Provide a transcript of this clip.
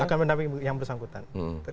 akan mendampingi yang bersangkutan